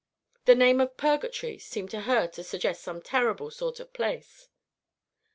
The name of "Purgatory" seemed to her to suggest some terrible sort of place.